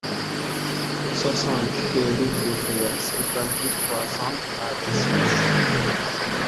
soixante T route des Feuillats, cinquante-huit, trois cents à Decize